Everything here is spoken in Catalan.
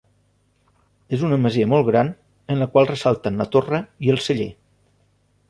És una masia molt gran, en la qual ressalten la torre i el celler.